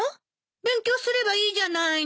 勉強すればいいじゃないの。